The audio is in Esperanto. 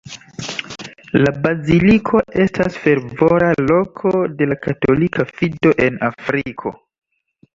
La baziliko estas fervora loko de la katolika fido en Afriko.